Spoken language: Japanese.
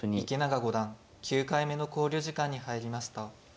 池永五段９回目の考慮時間に入りました。